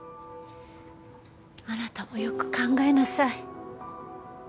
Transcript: あなたもよく考えなさい。